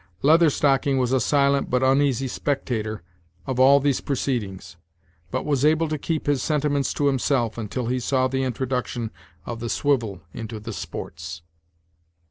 Leather Stocking was a silent but uneasy spectator of all these proceedings, but was able to keep his sentiments to himself until he saw the introduction of the swivel into the sports.